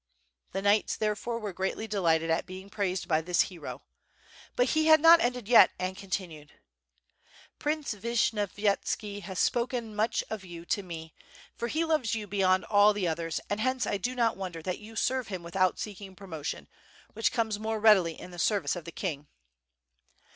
The knights therefore were greatly delighted at being praised by this hero. But he had not ended yet, and continued: "Prince Vishnyovyetski has spoken much of you to me, for he loves you beyond all the others, and hence'l do not wonder that you serve him without seeking promotion, which comes more readily in the service of the king.